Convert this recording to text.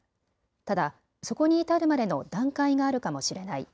ただ、そこに至るまでの段階があるかもしれない。